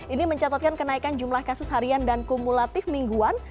ini mencatatkan kenaikan jumlah kasus harian dan kumulatif mingguan